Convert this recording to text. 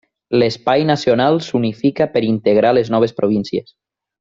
L'espai nacional s'unifica per integrar les noves províncies.